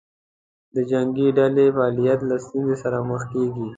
د جنګې ډلې فعالیت له ستونزې سره مخ کېږي.